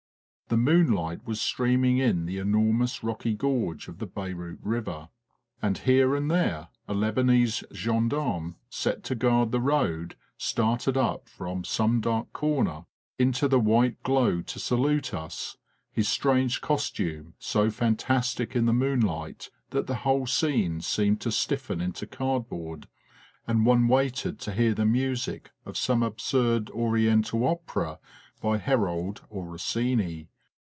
The moon light was streaming in the enormous rocky gorge of the Beyrout river; and here and there a Lebanese gendarme set to guard the road started up from some dark corner into the white glow to salute us his strange costume so fantastic in the moonlight that the whole scene seemed to stiffen into cardboard, and one waited to hear the music of some absurd Oriental opera by Harold or Rossini.